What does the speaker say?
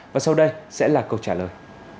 và sau đây sẽ là câu trả lời